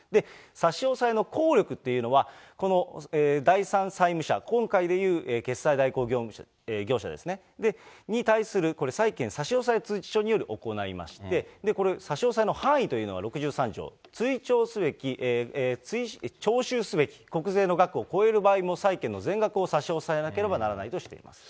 差し押さえの効力っていうのは、この第三債務者、今回でいう決済代行業者ですね、に対する、債権差押通知書により行いまして、これ、差し押さえの範囲というのが６３条、徴収すべき国税の額を超える場合も、債権の全額を差し押さえなければならないとしています。